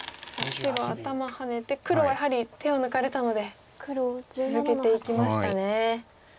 白頭ハネて黒はやはり手を抜かれたので続けていきましたね。